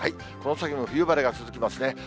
この先も冬晴れが続きますね。